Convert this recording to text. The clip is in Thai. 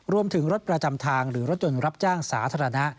รถประจำทางหรือรถยนต์รับจ้างสาธารณะ